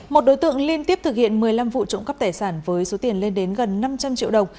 một đối tượng liên tiếp thực hiện một mươi năm vụ trộm cắp tài sản với số tiền lên đến gần năm trăm linh triệu đồng